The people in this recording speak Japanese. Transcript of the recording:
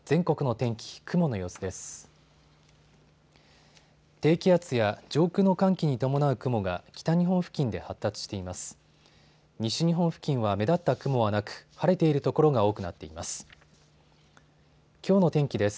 低気圧や上空の寒気に伴う雲が北日本付近で発達しています。